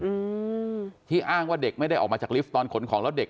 อืมที่อ้างว่าเด็กไม่ได้ออกมาจากลิฟต์ตอนขนของแล้วเด็ก